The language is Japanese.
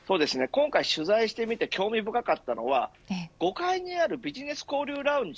今回、取材してみて興味深かったのは５階にあるビジネス交流ラウンジ